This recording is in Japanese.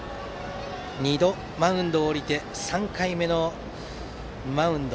２度マウンドを降りて３回目のマウンド。